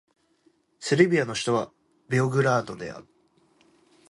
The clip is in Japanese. セルビアの首都はベオグラードである